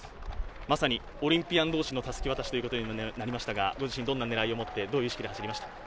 まさにオリンピアン同士のたすき渡しということになりましたが、ご自身どういう狙いを持って、どういう意識で走りましたか？